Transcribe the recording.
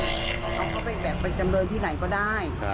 เอาเขาไปแบบไปจำเรินที่ไหนก็ได้